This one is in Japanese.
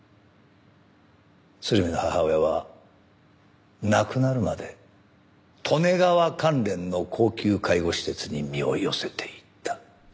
鶴見の母親は亡くなるまで利根川関連の高級介護施設に身を寄せていた。